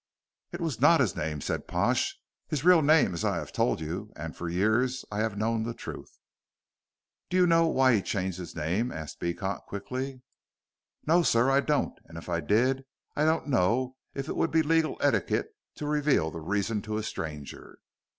"It was not his name," said Pash. "His real name I have told you, and for years I have known the truth." "Do you know why he changed his name?" asked Beecot, quickly. "No, sir, I don't. And if I did, I don't know if it would be legal etiquette to reveal the reason to a stranger."